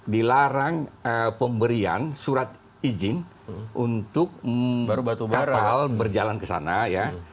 dilarang pemberian surat izin untuk kapal berjalan ke sana ya